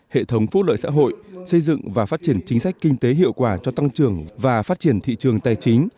hệ thống phúc lợi xã hội xây dựng và phát triển chính sách kinh tế hiệu quả cho tăng trưởng và phát triển thị trường tài chính